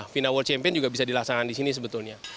fina world champion juga bisa dilaksanakan di sini sebetulnya